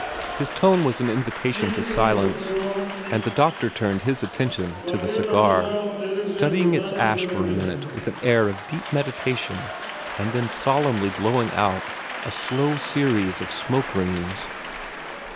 His tone was an invitation to silence; and the doctor turned his attention to the cigar, studying its ash for a minute with an air of deep meditation, and then solemnly blowing out a slow series of smoke rings.